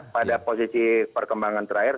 pada posisi perkembangan terakhir